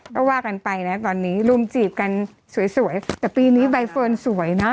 ก็ว่ากันไปนะตอนนี้รุมจีบกันสวยสวยแต่ปีนี้ใบเฟิร์นสวยนะ